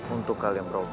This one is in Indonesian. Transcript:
untuk kalian berubah